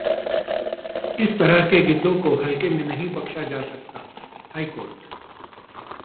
इस तरह के गिद्धों को हल्के में नहीं बख्शा जा सकता: हाईकोर्ट